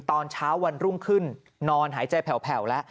ตอนเช้าวันรุ่งขึ้นนอนหายใจแผ่วแล้ว